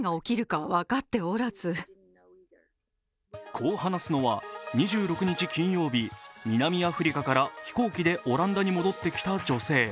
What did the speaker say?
こう話すのは２６日金曜日、南アフリカから飛行機でオランダに戻ってきた女性。